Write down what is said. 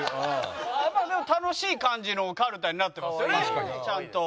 やっぱりでも楽しい感じのかるたになってますよねちゃんと。